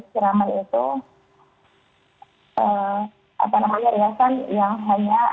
siraman itu apa namanya riasan yang hanya